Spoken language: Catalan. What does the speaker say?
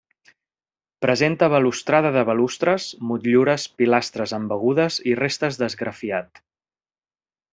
Presenta balustrada de balustres, motllures, pilastres embegudes i restes d'esgrafiat.